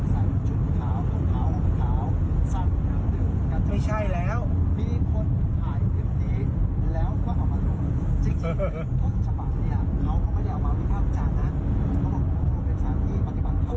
ไม่ใช่แล้ว